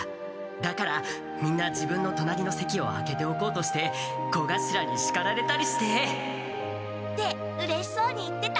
だからみんな自分のとなりの席を空けておこうとして小頭にしかられたりして。ってうれしそうに言ってた。